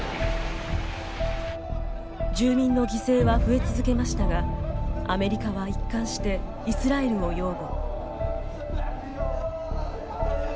住民の犠牲は増え続けましたがアメリカは一貫してイスラエルを擁護。